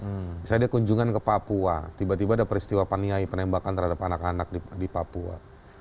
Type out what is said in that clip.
misalnya dia kunjungan ke papua tiba tiba ada peristiwa paniai penembakan terhadap anak anak di papua